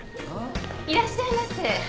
いらっしゃいませ。